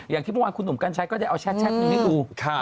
อย่างที่เมื่อวานคุณหนุ่มกัญชัยก็ได้เอาแชทหนึ่งให้ดู